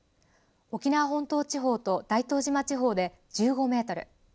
沖縄本島地方と大東島地方で１５メートル